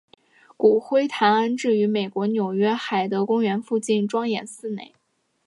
骨灰坛安置于美国纽约海德公园附近庄严寺内。